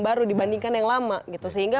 baru dibandingkan yang lama gitu sehingga